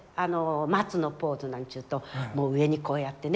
マツのポーズなんちゅうともう上にこうやってね